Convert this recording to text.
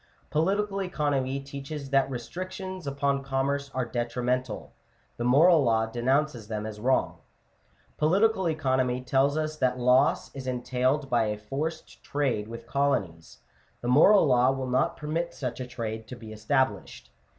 Po litical economy teaches that restrictions upon commerce are detrimental : the moral law denounces them as wrong (Chap. XXIII.). Political economy tells us that loss is entailed by a forced trade with colonies: the moral law will not permit such a trade to be established (Chap.